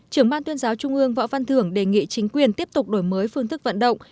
trưởng ban tuyên giáo trung ương võ văn thưởng đề nghị chính quyền tiếp tục đổi mới phương thức vận động